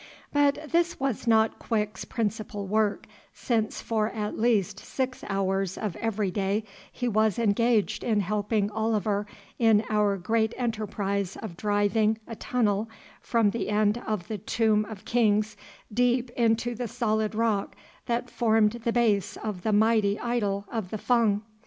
But this was not Quick's principal work, since for at least six hours of every day he was engaged in helping Oliver in our great enterprise of driving a tunnel from the end of the Tomb of Kings deep into the solid rock that formed the base of the mighty idol of the Fung.